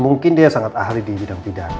mungkin dia sangat ahli di bidang pidana